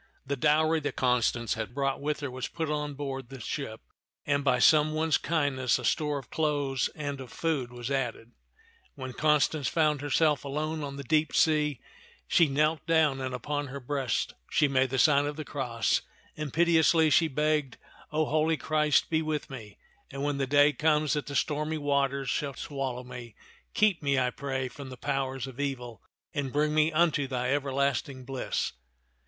The dowry that Constance had brought with her was put on board the ship, and by some one's kindness a store of clothes and of food was added. ti}t (^(xn of ^M'& tcdt 6 1 When Constance found herself alone on the deep sea, she knelt down and upon her breast she made the sign of the cross, and piteously she begged, O holy Christ, be with me, and when the day comes that the stormy waters shall swallow me, keep me, I pray, from the powers of evil, and bring me unto thy everlasting bliss."